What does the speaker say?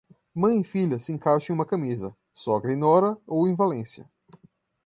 Mãe e filha se encaixam em uma camisa; Sogra e nora, ou em Valência.